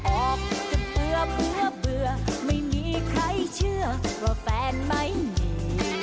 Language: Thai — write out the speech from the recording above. ออกจะเบื่อไม่มีใครเชื่อว่าแฟนไม่มี